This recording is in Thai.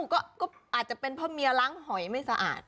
ก็อาจจะเป็นเพราะเมียล้างหอยไม่สะอาด